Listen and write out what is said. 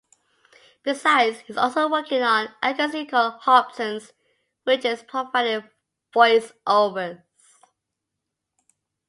Besides he's also working on an agency called Hobsons, which is providing voice-overs.